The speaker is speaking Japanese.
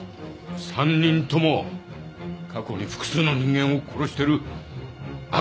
３人とも過去に複数の人間を殺してる悪党だ！